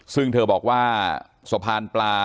ซึ่งเธอบอกว่าสะพานปลา